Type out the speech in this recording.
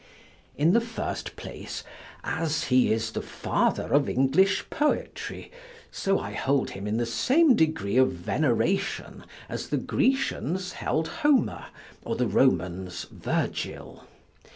In the first place, as he is the father of English poetry, so I hold him in the same degree of veneration as the Grecians held Homer or the Romans Virgil.